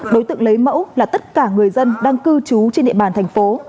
đối tượng lấy mẫu là tất cả người dân đang cư trú trên địa bàn thành phố